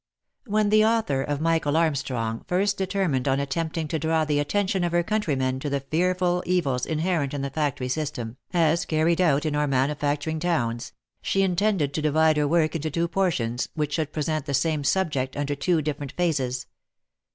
WfiEX the author of " Michael Armstrong" first determined on attempting to draw the attention of her countrymen to the fearful evils inherent in the Factory System, as carried out in our manufac turing towns, she intended to divide her work into two portions, which should present the same subject under two different phases.